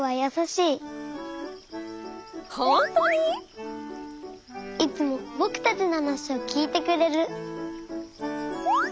いつもぼくたちのはなしをきいてくれる。